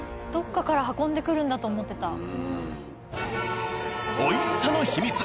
どっかから運んでくるんだと思ってた。